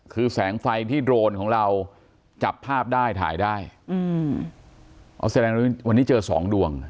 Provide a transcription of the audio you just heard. คือแสงไฟที่โดรนของเราจับภาพได้ถ่ายได้อืมอ๋อแสดงว่าวันนี้เจอสองดวง